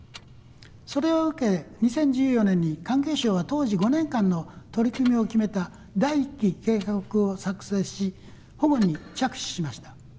それを受け２０１４年に環境省は当時５年間の取り組みを決めた第一期計画を作成し保護に着手しました。